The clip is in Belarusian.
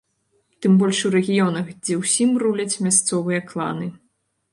Тым больш у рэгіёнах, дзе ўсім руляць мясцовыя кланы.